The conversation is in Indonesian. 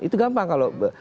itu gampang kalau